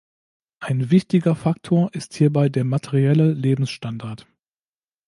Ein wichtiger Faktor ist hierbei der "materielle Lebensstandard".